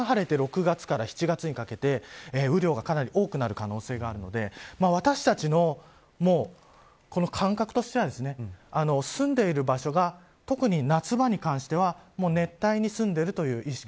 いったん晴れて６月から７月にかけて雨量がかなり多くなる可能性があるので私たちの感覚としては住んでいる場所が特に夏場に関しては熱帯に住んでいるという意識。